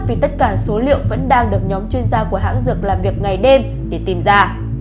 vì tất cả số liệu vẫn đang được nhóm chuyên gia của hãng dược làm việc ngày đêm để tìm ra